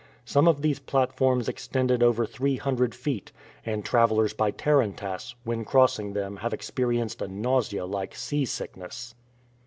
Some of these platforms extended over three hundred feet, and travelers by tarantass, when crossing them have experienced a nausea like sea sickness.